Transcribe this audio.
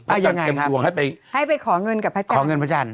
เพราะกันเป็นตรวงให้ไปขอเงินกับพระจันทร์